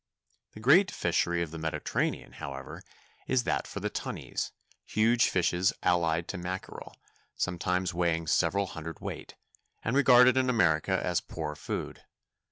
The great fishery of the Mediterranean, however, is that for tunnies—huge fishes allied to mackerel, sometimes weighing several hundredweight, and regarded in America as poor food.